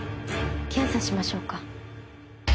検査しましょうか。